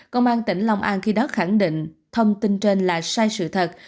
công an tỉnh long an khi đó khẳng định thông tin trên là sai sự thật